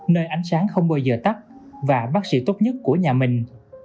nơi ánh sáng không bao giờ tắt và bác sĩ tốt nhất của nhà mình